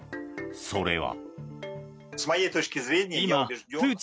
それは。